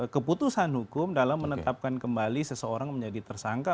keputusan hukum dalam menetapkan kembali seseorang menjadi tersangka